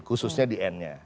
khususnya di n nya